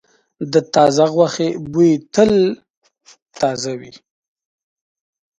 د تازه غوښې بوی تل تازه وي.